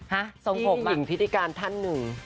ห้ะส่งผมหรือเปล่าที่หญิงพิธิการท่านหนึ่ง